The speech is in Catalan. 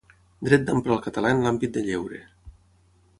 Dret d’emprar el català en l’àmbit de lleure.